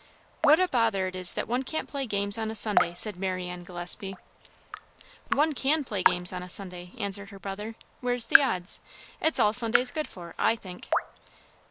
"What a bother it is that one can't play games on a Sunday!" said Marianne Gillespie. "One can play games on a Sunday," answered her brother. "Where's the odds? It's all Sunday's good for, I think."